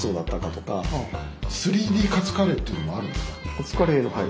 カツカレーのはい。